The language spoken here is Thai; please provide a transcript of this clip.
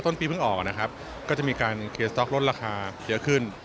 ต้นปีเพิ่งออกก็จะมีการเคลียร์สต๊อกลดราคาเยอะขึ้น